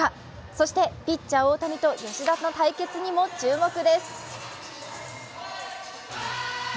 そしてピッチャー・大谷と吉田の対決にも注目です。